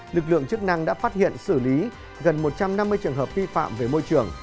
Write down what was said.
lực lượng chức năng đã phát hiện xử lý gần một trăm năm mươi trường hợp vi phạm về môi trường